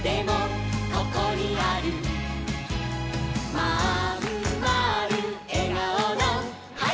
「まんまるえがおのハイ！」